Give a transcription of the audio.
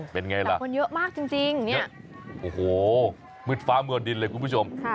เป็นไงล่ะโอ้โหมืดฟ้าเมืองดินเลยคุณผู้ชม